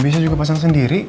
bisa juga pasang sendiri